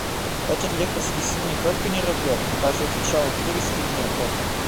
Этот лекарский сын не только не робел, он даже отвечал отрывисто и неохотно.